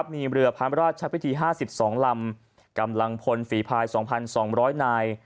มีเรือพระราชพิธี๕๒ลำกำลังพลฝีภาย๒๒๐๐นาย